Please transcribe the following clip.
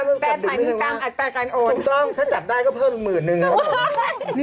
แปลไปพี่ตั้งอัดแปลกันโอนถูกต้องถ้าจับได้ก็เพิ่มหมื่นหนึ่งครับ